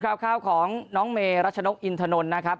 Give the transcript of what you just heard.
ข้าวข้าวของน้องเมย์รัชนกอินทนนนะครับ